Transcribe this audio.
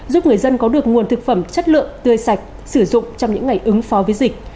giúp người dân có được nguồn thực phẩm chất lượng tươi sạch sử dụng trong những ngày ứng phó với dịch